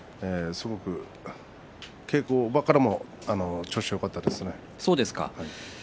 すごく稽古場からも調子よかったですね。